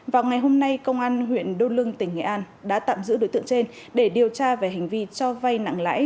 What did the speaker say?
vào ngày hôm nay công an huyện đô lương tỉnh nghệ an đã tạm giữ đối tượng trên để điều tra về hành vi cho vay nặng lãi